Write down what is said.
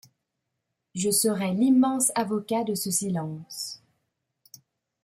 Je serai l’immense avocat de ce silence.